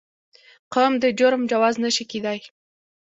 قوم د جرم جواز نه شي کېدای.